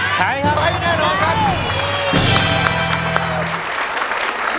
ใช้ครับใช้แน่นอนครับ